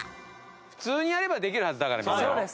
普通にやればできるはずだからみんな。